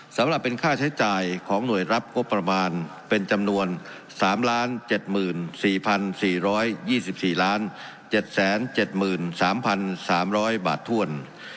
สำหรับเป็นค่าใช้จ่ายของหน่วยรับงบประมาณเป็นจำนวน๓๗๔๔๒๔๗๗๓๓๐๐บาทถ้วน